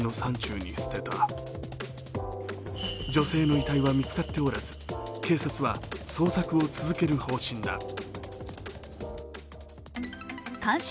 女性の遺体は見つかっておらず警察は捜索を続ける方針だ。